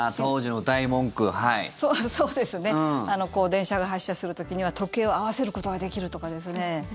電車が発車する時には時計を合わせることができるとかですね。